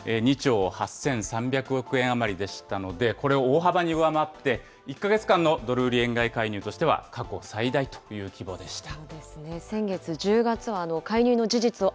９月の市場介入は２兆８３００億円余りでしたので、これを大幅に上回って、１か月間のドル売り円買い介入としては過去最大という規模でした。